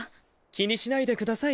気にしないでください。